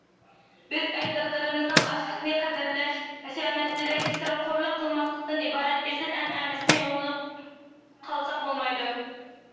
بىز ئەجدادلىرىمىزنىڭ ئاشلىقنى قەدىرلەش، ھەشەمەتچىلىك، ئىسراپخورلۇق قىلماسلىقتىن ئىبارەت ئېسىل ئەنئەنىسىنى ئۇنتۇلۇپ قالساق بولمايدۇ.